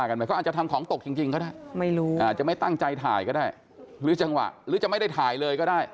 ใช่มะค่ะเขาก็มีสิทธิ์ที่จะไม่ตอบนักข่าวด้วยซ้ำเขาจะไม่ตอบก็ได้